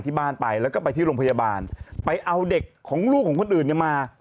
ที่บ้านไปแล้วก็ไปที่โรงพยาบาลไปเอาเด็กของลูกของคนอื่นเนี่ยมา